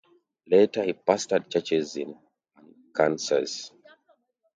Later he pastored churches in Arkansas.